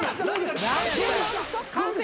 完成？